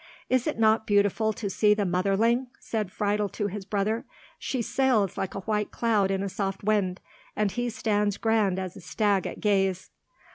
"Is it not beautiful to see the motherling?" said Friedel to his brother; "she sails like a white cloud in a soft wind. And he stands grand as a stag at gaze."